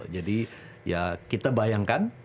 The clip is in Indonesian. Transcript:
jadi ya kita bayangkan